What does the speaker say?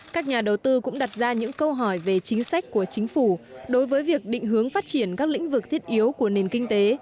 các nhà đầu tư cũng đặt ra những câu hỏi về chính sách của chính phủ đối với việc định hướng phát triển các lĩnh vực thiết yếu của nền kinh tế